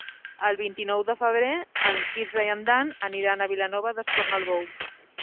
El vint-i-nou de febrer en Quirze i en Dan aniran a Vilanova d'Escornalbou.